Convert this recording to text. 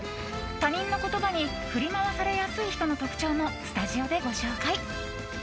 他人の言葉に振り回されやすい人の特徴もスタジオでご紹介。